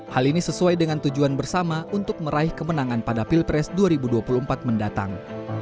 hal ini sesuai dengan tujuan bersama untuk meraih kemenangan pada pilpres dua ribu dua puluh empat mendatang